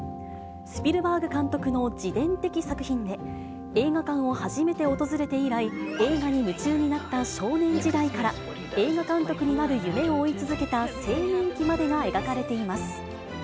スピルバーグ監督の自伝的作品で、映画館を初めて訪れて以来、映画に夢中になった少年時代から、映画監督になる夢を追い続けた青年期までが描かれています。